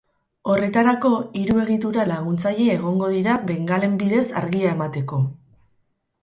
Horretarako, hiru egitura laguntzaile egongo dira bengalen bidez argia emateko.